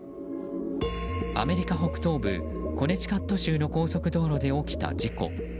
アメリカ北東部コネティカット州の高速道路で起きた事故。